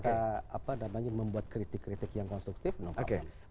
kita membuat kritik kritik yang konstruktif no problem